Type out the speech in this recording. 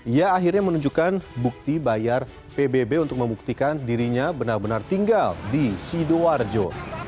ia akhirnya menunjukkan bukti bayar pbb untuk membuktikan dirinya benar benar tinggal di sidoarjo